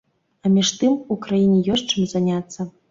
А між тым, у краіне ёсць чым заняцца.